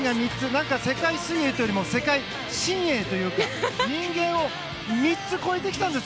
なんか、世界水泳というより世界新泳というか人間を３つ超えてきたんです